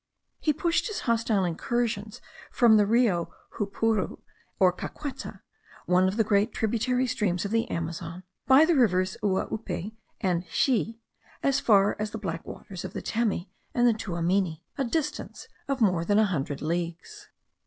He pushed his hostile incursions from the Rio Jupura, or Caqueta, one of the great tributary streams of the Amazon, by the rivers Uaupe and Xie, as far as the black waters of the Temi and the Tuamini, a distance of more than a hundred leagues.